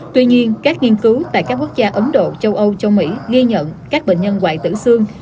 tuy nhiên các nghiên cứu tại các quốc gia ấn độ châu âu châu mỹ ghi nhận các bệnh nhân ngoại tử xương